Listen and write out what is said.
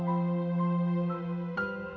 kakang mencintai dia kakang